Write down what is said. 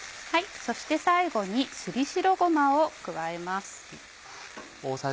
そして最後にすり白ごまを加えます。